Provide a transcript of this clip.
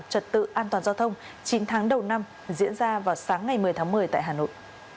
trật tự an toàn giao thông chín tháng đầu năm diễn ra vào sáng ngày một mươi tháng một mươi tại hà nội